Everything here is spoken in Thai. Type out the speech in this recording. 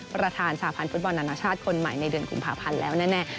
ประธานสาพันธ์ฟุตบอลนานาชาติคนใหม่ในเดือนกุมภาพันธ์แล้วแน่